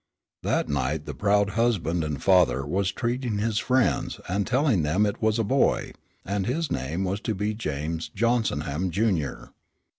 That night the proud husband and father was treating his friends, and telling them it was a boy, and his name was to be James Johnsonham, Junior.